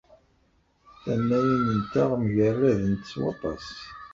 Tannayin-nteɣ mgerradent s waṭas.